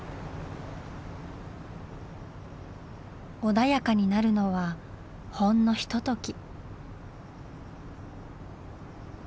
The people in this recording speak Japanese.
穏やかになるのはほんのひととき。